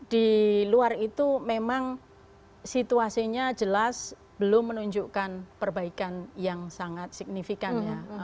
di luar itu memang situasinya jelas belum menunjukkan perbaikan yang sangat signifikan ya